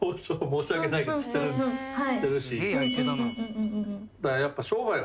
申し訳ないけどしてるし。